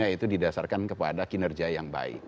itu didasarkan kepada kinerja yang baik